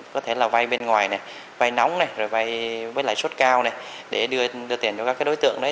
có thể là vay bên ngoài này vay nóng này rồi vay với lãi suất cao này để đưa tiền cho các đối tượng đấy